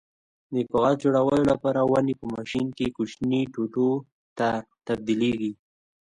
د کاغذ جوړولو لپاره ونې په ماشین کې کوچنیو ټوټو ته تبدیلېږي.